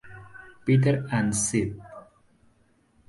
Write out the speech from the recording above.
Peter and St.